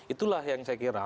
itulah yang saya kira